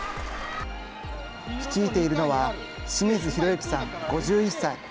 率いているのは清水博之さん５１歳。